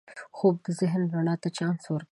خوب د ذهن رڼا ته چانس ورکوي